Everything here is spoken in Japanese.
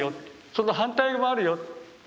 その反対もあるよ。